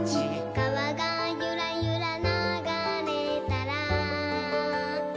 「かわがゆらゆらながれたら」